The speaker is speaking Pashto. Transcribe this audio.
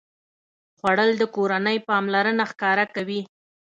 خوړل د کورنۍ پاملرنه ښکاره کوي